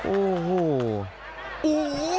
โอ้โห